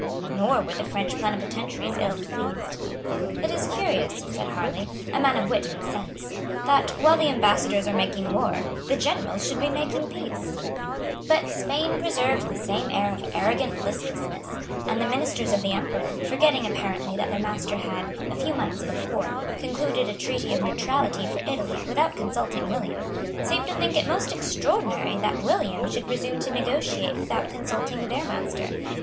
Nor were the French plenipotentiaries ill pleased. "It is curious," said Harlay, a man of wit and sense, "that, while the Ambassadors are making war, the generals should be making peace." But Spain preserved the same air of arrogant listlessness; and the ministers of the Emperor, forgetting apparently that their master had, a few months before, concluded a treaty of neutrality for Italy without consulting William, seemed to think it most extraordinary that William should presume to negotiate without consulting their master.